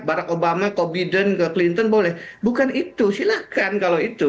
barack obama kobiden ke clinton boleh bukan itu silahkan kalau itu